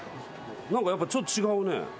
やっぱちょっと違うね。